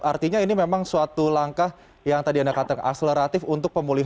artinya ini memang suatu langkah yang tadi anda katakan akseleratif untuk pemulihan